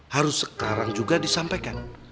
harus sekarang juga disampaikan